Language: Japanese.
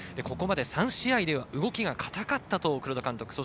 ここまで３試合では動きが堅かったと黒田監督。